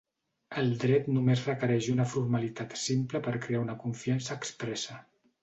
El dret només requereix una formalitat simple per crear una confiança expressa.